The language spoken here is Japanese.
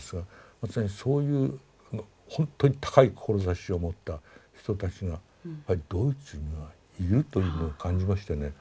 まさにそういうほんとに高い志を持った人たちがドイツにはいるというのを感じましてね。